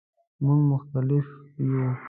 مونږ مختلف یو